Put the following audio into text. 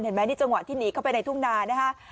ไหมนี่จังหวะที่หนีเข้าไปในทุ่งนานะฮะ